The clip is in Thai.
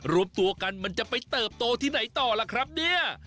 รวมตัวกันมันจะไปเติบโตที่ไหนต่อล่ะครับเนี่ย